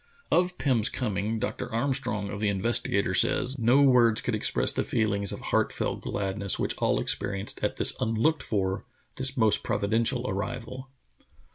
Of Pirn's coming Dr. Armstrong of the Investigator sa)s: "No words could express the feelings of heart 90 True Tales of Arctic Heroism felt gladness which all experienced at this unlooked for, this most providential arrival."